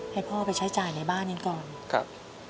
ให้พ่อไปใช้จ่ายในบ้านกันก่อนครับ